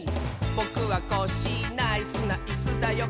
「ぼくはコッシーナイスなイスだよ」